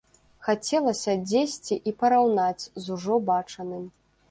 Хацелася дзесьці і параўнаць з ужо бачаным.